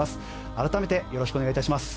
改めてよろしくお願いいたします。